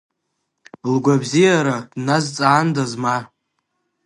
Лгәабзиара дназҵаандаз ма!